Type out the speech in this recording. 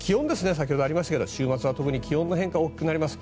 先ほどありましたが週末は特に気温の変化が大きくなります。